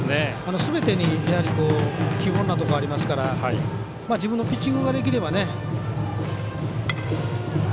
すべてに非凡なところがありますから自分のピッチングができればね。